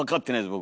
僕。